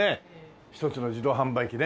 一つの自動販売機ね